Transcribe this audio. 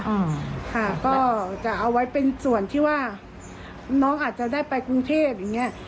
อ่าค่ะก็จะเอาไว้เป็นส่วนที่ว่าน้องอาจจะได้ไปกรุงเทพอย่างเงี้ย